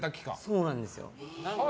そうなんですよ。